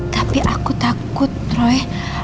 tapi aku takut troy